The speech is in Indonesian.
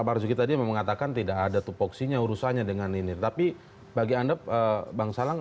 barzuki tadi mengatakan tidak ada tuh voksinya urusannya dengan ini tapi bagi anda bang salang